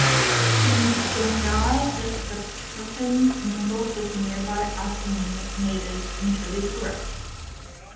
In Doimara, the Sherdukpens mingled with the nearby Assamese natives and traded for rice.